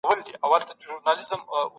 پاک رزق وګټئ.